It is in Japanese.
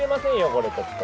これちょっと！